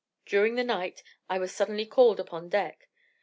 During the night I was suddenly called upon deck.